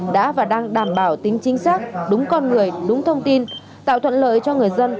đã và đang đảm bảo tính chính xác đúng con người đúng thông tin tạo thuận lợi cho người dân